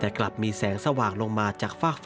แต่กลับมีแสงสว่างลงมาจากฟากฟ้าอีกครั้ง